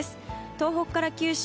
東北から九州